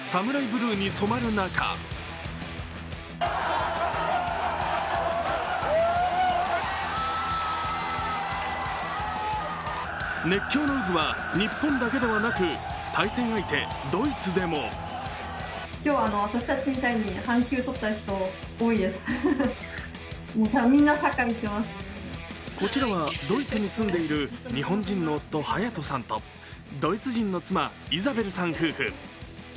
ブルーに染まる中熱狂の渦は日本だけではなく対戦相手・ドイツでもこちらはドイツに住んでいる日本人の夫・ハヤトさんとドイツ人の妻・イザベルさん夫婦。